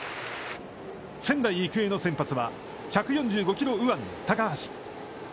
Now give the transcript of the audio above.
仙台育英の先発は１４５キロ右腕の高橋。